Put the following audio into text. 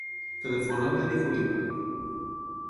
Telefona a l'Erik Oliva.